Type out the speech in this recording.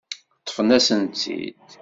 Ṭṭfen-asent-tt-id.